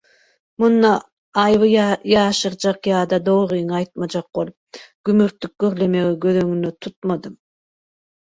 Munda aýby ýaşyrjak ýa-da dogryňy aýtmajak bolup gümürtik gürlemegi göz öňünde tutlmadym.